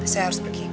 saya harus pergi